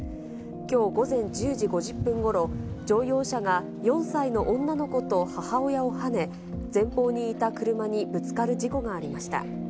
きょう午前１０時５０分ごろ、乗用車が４歳の女の子と母親をはね、前方にいた車にぶつかる事故がありました。